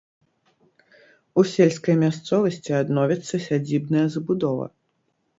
У сельскай мясцовасці адновіцца сядзібная забудова.